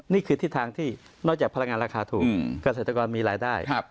นี่คือทิศทางที่นอกจากพลังงานราคาถูกเกษตรกรมีรายได้